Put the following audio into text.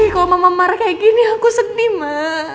kalau mama marah kayak gini aku sedih ma